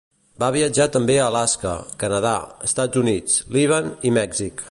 Va viatjar també a Alaska, Canadà, Estats Units, Líban, i Mèxic.